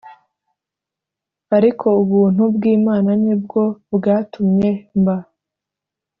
Ariko ubuntu bw Imana ni bwo bwatumye mba